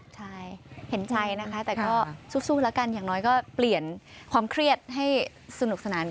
ใช่เห็นใจนะคะแต่ก็สู้แล้วกันอย่างน้อยก็เปลี่ยนความเครียดให้สนุกสนาน